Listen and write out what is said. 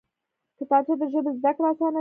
کتابچه د ژبې زده کړه اسانوي